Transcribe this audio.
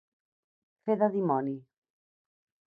Fer de dimoni.